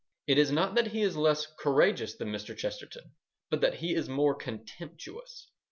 It is not that he is less courageous than Mr. Chesterton, but that he is more contemptuous.